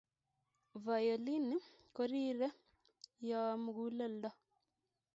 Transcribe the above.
violini korirei you mukulelto